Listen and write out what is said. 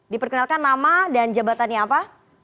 diperkenalkan nama dan jabatannya apa